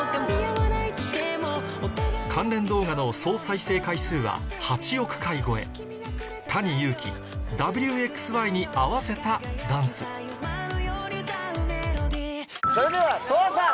関連動画の総再生回数は８億回超えに合わせたダンスそれでは都愛さん！